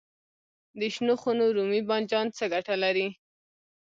د شنو خونو رومي بانجان څه ګټه لري؟